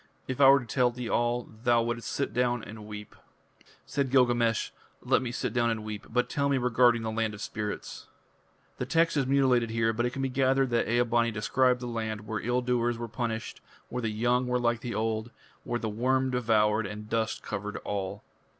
If I were to tell thee all, thou wouldst sit down and weep." Said Gilgamesh: "Let me sit down and weep, but tell me regarding the land of spirits." The text is mutilated here, but it can be gathered that Ea bani described the land where ill doers were punished, where the young were like the old, where the worm devoured, and dust covered all.